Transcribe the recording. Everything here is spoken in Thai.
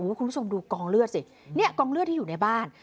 คุณผู้ชมดูกองเลือดสิเนี่ยกองเลือดที่อยู่ในบ้าน